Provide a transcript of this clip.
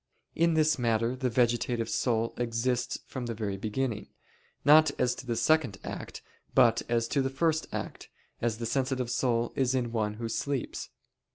In this matter, the vegetative soul exists from the very beginning, not as to the second act, but as to the first act, as the sensitive soul is in one who sleeps.